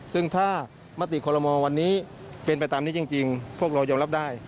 ซึ่งถ้ามติคอลโมวันนี้เป็นไปตามนี้จริงพวกเรายอมรับได้